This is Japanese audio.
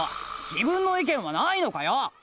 自分の意見はないのかよ！